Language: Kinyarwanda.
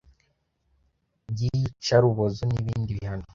by iyicarubozo n ibindi bihano